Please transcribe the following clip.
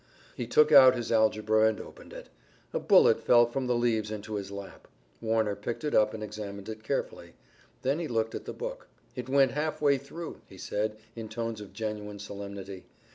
He took out his algebra and opened it. A bullet fell from the leaves into his lap. Warner picked it up and examined it carefully. Then he looked at the book. "It went half way through," he said in tones of genuine solemnity.